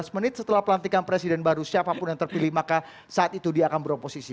lima belas menit setelah pelantikan presiden baru siapapun yang terpilih maka saat itu dia akan beroposisi